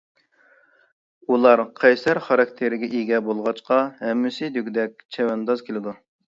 ئۇلار قەيسەر خاراكتېرىگە ئىگە بولغاچقا، ھەممىسى دېگۈدەك چەۋەنداز كېلىدۇ.